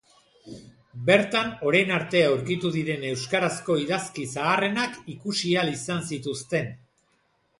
Bertan orain arte aurkitu diren euskarazko idazki zaharrenak ikusi ahal izan zituzten.